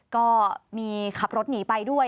ก็มีขับรถหนีไปด้วย